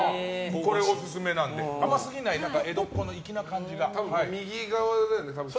これ、オススメなので甘すぎない江戸っ子の粋な感じが。